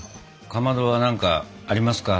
かまどは何かありますか？